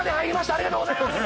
ありがとうございます。